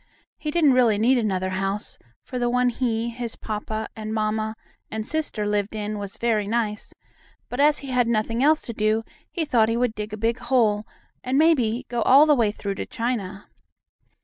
He didn't really need another house, for the one he, and his papa, and mamma, and sister, lived in was very nice, but, as he had nothing else to do, he thought he would dig a big hole, and, maybe, go all the way through to China.